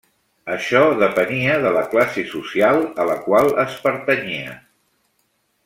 Això depenia de la classe social a la qual es pertanyia.